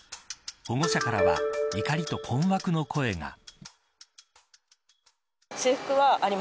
保護者からは怒りと困惑の声が。